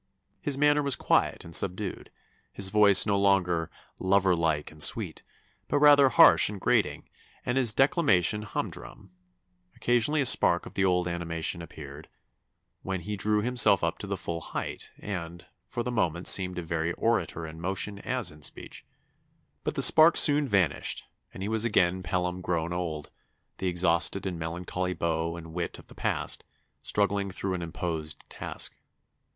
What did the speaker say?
His manner was quiet and subdued, his voice no longer 'lover like and sweet,' but rather harsh and grating, and his declamation humdrum; occasionally a spark of the old animation appeared, when he drew himself up to the full height, and, for the moment seemed a very orator in motion as in speech; but the spark soon vanished, and he was again Pelham grown old, the exhausted and melancholy beau and wit of the past, struggling through an imposed task....